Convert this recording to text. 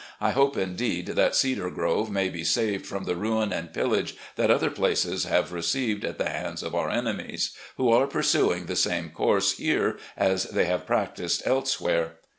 I hope indeed that 'Cedar Grove' may be saved from the ruin and pillage that other places have received at the hands of our enemies, who are pursuing the same course here as they have practised elsewhere.